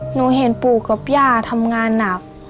หนูเห็นปู่กับย่าทำงานหนัก